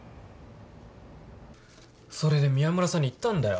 それで宮村さんに言ったんだよ。